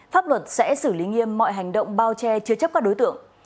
pháp luật sẽ xử lý nghiêm mọi hành động bao che chứa chấp các đối tượng